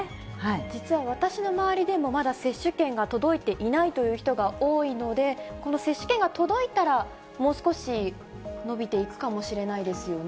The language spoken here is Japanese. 実は私の周りでも、まだ接種券が届いていないという人が多いので、この接種券が届いたら、もう少し伸びていくかもしれないですよね。